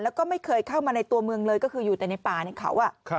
แล้วก็ไม่เคยเข้ามาในตัวเมืองเลยก็คืออยู่แต่ในป่าในเขา